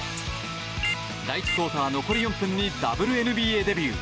第１クオーター残り４分にＷＮＢＡデビュー。